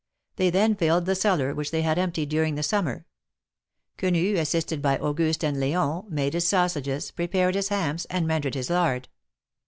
They then filled the cellar, which they had emptied during the summer. Quenu, assisted by Auguste and L6on, made his sausages, pre pared his hams, and rendered his lard.